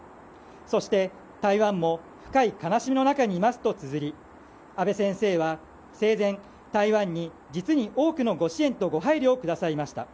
そして台湾も深い悲しみの中にいますとつづり安倍先生は生前、台湾に実に多くのご支援とご配慮をくださいました。